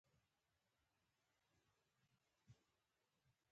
چې موږ ګړدود بولو، په علمي